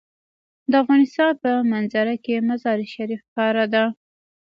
د افغانستان په منظره کې مزارشریف ښکاره ده.